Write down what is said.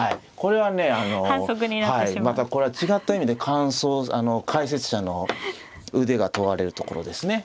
はいまたこれは違った意味で解説者の腕が問われるところですね。